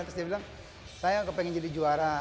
terus dia bilang saya kepengen jadi juara